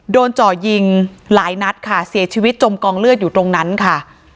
จ่อยิงหลายนัดค่ะเสียชีวิตจมกองเลือดอยู่ตรงนั้นค่ะ